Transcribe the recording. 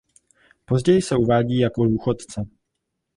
Později se uvádí jako důchodce.